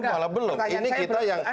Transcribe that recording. malah belum ini kita yang